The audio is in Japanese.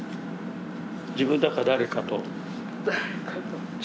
自分だか誰かと。